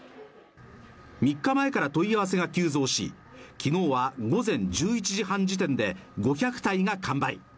３日前から問い合わせが急増し、昨日は午前１１時半時点で、５００体が完売。